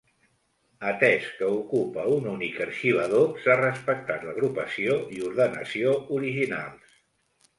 Atès que ocupa un únic arxivador, s'ha respectat l'agrupació i ordenació originals.